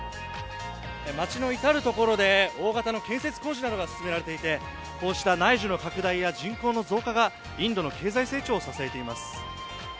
街の至るところで、大型の建設工事なとが進められていて、こうした内需の拡大や人口の増加がインドの経済成長を支えています。